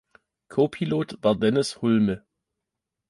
Kopilot war Denis Hulme.